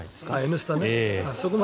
「Ｎスタ」ね。